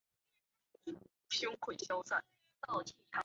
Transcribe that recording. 注定无法跳脱